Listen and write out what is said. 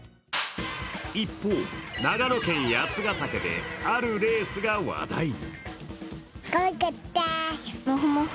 一方、長野県八ヶ岳であるレースが話題に。